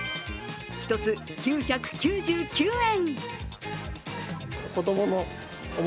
１つ９９９円。